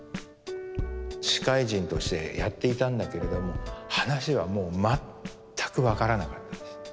司会陣としてやっていたんだけれども話はもう全く分からなかったです。